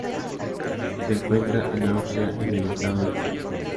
Se encuentra en Austria en el estado del Tirol.